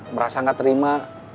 merasa gak terima